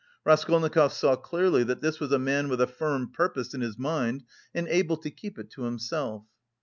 Raskolnikov saw clearly that this was a man with a firm purpose in his mind and able to keep it to himself.